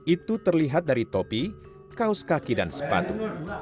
itu terlihat dari topi kaos kaki dan sepatu